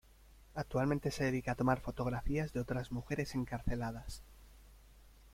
Actualmente se dedica a tomar fotografías de otras mujeres encarceladas.